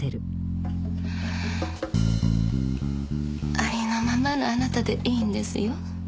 ありのままのあなたでいいんですよ。